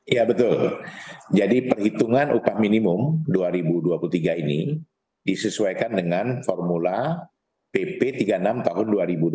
ya betul jadi perhitungan upah minimum dua ribu dua puluh tiga ini disesuaikan dengan formula pp tiga puluh enam tahun dua ribu dua puluh